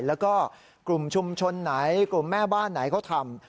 แล้วก็กลุ่มชุมชนไหนกลุ่มแม่บ้านไหนเขาทำ